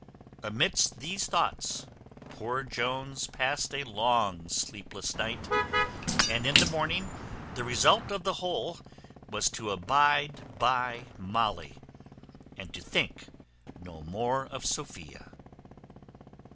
Amidst these thoughts, poor Jones passed a long sleepless night, and in the morning the result of the whole was to abide by Molly, and to think no more of Sophia.